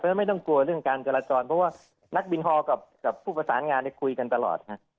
เพราะฉะนั้นไม่ต้องกลัวเรื่องการจราจรเพราะว่านักบินฮอลกับผู้ประสานงานคุยกันตลอด